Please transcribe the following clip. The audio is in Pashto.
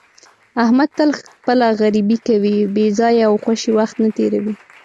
احمد تل خپله غریبي کوي، بې ځایه او خوشې وخت نه تېروي.